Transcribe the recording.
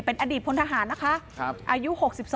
เป็นอดีตพลทหารนะคะอายุ๖๒